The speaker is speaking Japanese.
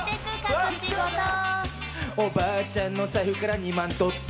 おばあちゃんの財布から２万取った。